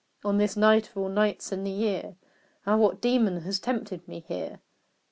On this night of all nights in the year, Ah, what demon has tempted me here?